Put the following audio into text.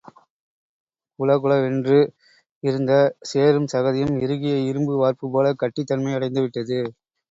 குழகுழவென்று இருந்த சேறுஞ்சகதியும் இறுகிய இரும்பு வார்ப்புப்போல கட்டித் தன்மையடைந்து விட்டது.